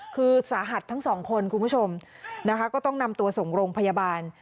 คือสาหัสทั้งสองคนคุณผู้ชมนะคะก็ต้องนำตัวส่งโรงพยาบาล